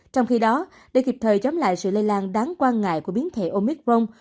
trong khi đó để kịp thời chống lại sự lây lan đáng quan ngại của biến thể omicron